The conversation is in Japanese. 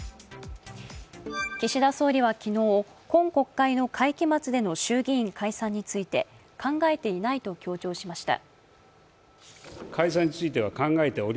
岸田総理は昨日、今国会の会期末での衆議院解散について、考えていないと強調しました。